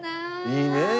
いいねえ。